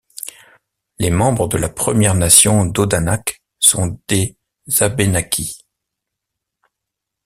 Les membres de la Première Nation d'Odanak sont des Abénaquis.